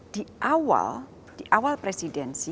di awal presidensi